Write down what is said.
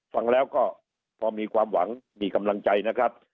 ฟังแล้วก็พอมีความหวังมีกำลังใจนะครับ